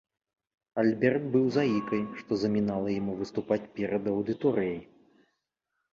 Альберт быў заікай, што замінала яму выступаць перад аўдыторыяй.